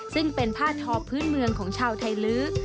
ซึ่งเป็นผ้าทอพื้นเมืองของชาวไทยลื้อ